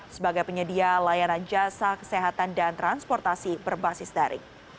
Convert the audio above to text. sebagai penyedia layanan jasa kesehatan dan transportasi berbasis dari